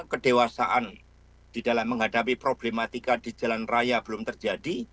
kedewasaan di dalam menghadapi problematika di jalan raya belum terjadi